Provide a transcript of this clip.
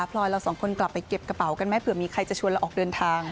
พลอยเราสองคนกลับไปเก็บกระเป๋ากันไหมเผื่อมีใครจะชวนเราออกเดินทาง